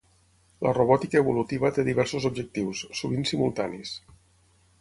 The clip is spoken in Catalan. La robòtica evolutiva té diversos objectius, sovint simultanis.